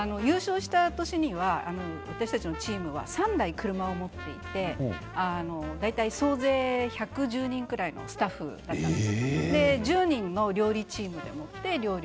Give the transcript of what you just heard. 優勝した年には、私たちのチームは３台、車を持っていて大体、総勢１１０人ぐらいのスタッフがいたんです。